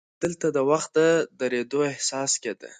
دلته د وخت د درېدو احساس کېده.